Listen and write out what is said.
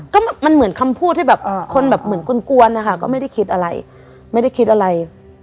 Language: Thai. ก็มันเหมือนคำพูดที่แบบคนแบบเหมือนกลวนนะคะก็ไม่ได้คิดอะไรไม่ได้คิดอะไร